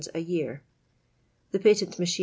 a year. Tlie patent mac hi n